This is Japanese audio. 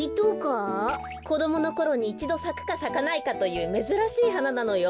こどものころにいちどさくかさかないかというめずらしいはななのよ。